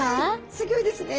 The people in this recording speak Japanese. すギョいですね。